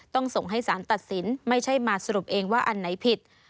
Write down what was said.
ต้องส่งให้สารตัดสินไม่ใช่มาสรุปเองว่าอันไหนผิด